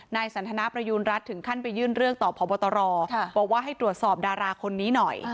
สันทนาประยูณรัฐถึงขั้นไปยื่นเรื่องต่อพบตรบอกว่าให้ตรวจสอบดาราคนนี้หน่อย